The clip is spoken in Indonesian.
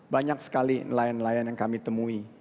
banyak sekali nelayan nelayan yang kami temui